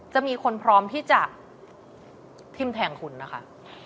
จะมีคนพร้อมที่จะทิ้มแทงคุณนะคะ